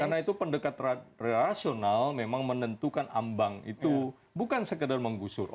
karena itu pendekat rasional memang menentukan ambang itu bukan sekadar menggusur